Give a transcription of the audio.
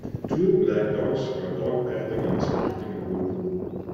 Two black dogs are dog paddling in a sparkling blue pool.